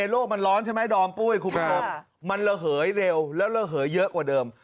โลกมันร้อนใช่ไหมดอมปุ้ยคุณผู้ชมมันระเหยเร็วแล้วระเหยเยอะกว่าเดิม